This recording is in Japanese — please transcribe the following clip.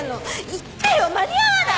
行ってよ間に合わない！